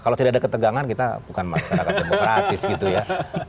kalau tidak ada ketegangan kita bukan masyarakat demokratis gitu ya